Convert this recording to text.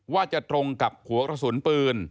ว่าจะตรงกับหัวกระสุนปืน